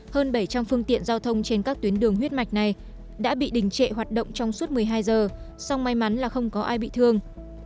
hơn bảy trăm linh phương tiện giao thông trên các tuyến đường huyết mạch này đã bị đình trệ hoạt động trong suốt một mươi hai giờ song may mắn là không có ai bị thương